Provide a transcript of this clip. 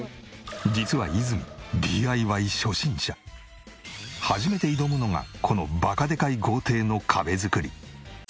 実は泉初めて挑むのがこのバカでかい豪邸の壁作り。